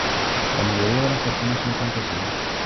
La mayoría de las personas son campesinas.